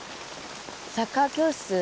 サッカー教室